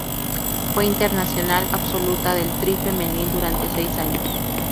Fue internacional absoluta del "Tri Femenil" durante seis años.